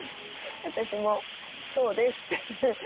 私もそうです。